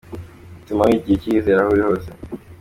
Bituma wigirira icyizere aho uri hose.